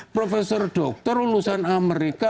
profesor dokter lulusan amerika